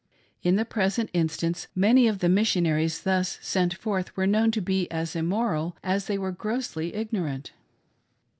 In the present instance many of the Missionaries thus sent forth were known to be as immoral as they were grossly ignorant.